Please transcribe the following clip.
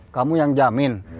kamu yang jamin